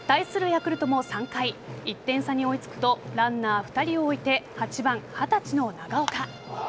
ヤクルトも３回１点差に追いつくとランナー２人を置いて８番・二十歳の長岡。